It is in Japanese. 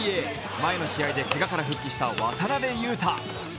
前の試合でけがから復帰した渡邊雄太。